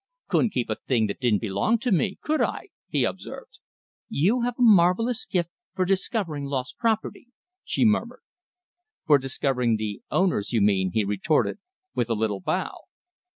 "Couldn't keep a thing that didn't belong to me, could I?" he observed. "You have a marvellous gift for discovering lost property," she murmured. "For discovering the owners, you mean," he retorted, with a little bow.